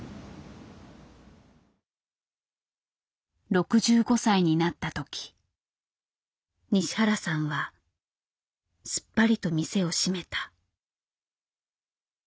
６５歳になった時西原さんはすっぱりと店を閉めた。